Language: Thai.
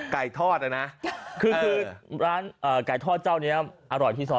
ไก่ทอดอ่ะน่ะคือร้านอ่าไก่ทอดเจ้าเนี้ยอร่อยที่ซอส